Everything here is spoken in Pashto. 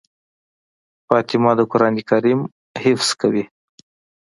فاطمه د قرآن کريم حفظ کوي.